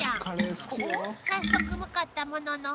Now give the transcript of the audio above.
［早速向かったものの］